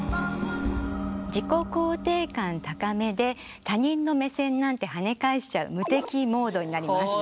自己肯定感高めで他人の目線なんてはね返しちゃう無敵モードになります。